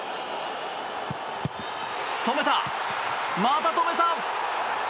止めた、また止めた！